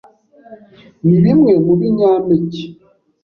ni bimwe mu binyampeke